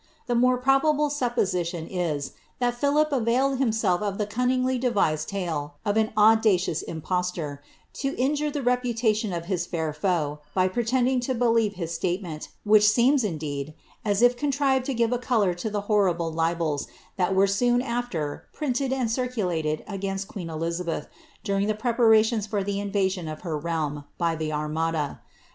The more probable supposition is, that Philip availed himself of the cunningly devised tale of an audacious impostor, to injure the reputation of his fur foej by pretending to believe his statement, which seems, indeed, as if eoDtrived to give a colour to the horrible libels that were soon after pranted and circulated against queen Elizabeth, during the preparations §or the invasion of her realm by the Armada.